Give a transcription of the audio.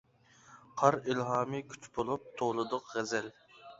قار ئىلھامى كۈچ بولۇپ، توۋلىدۇق غەزەل.